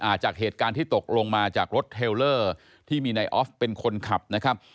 จากเหตุการณ์ที่ตกลงมาจากรถเทลเลอร์ที่มีนายออฟเป็นคนขับนะครับ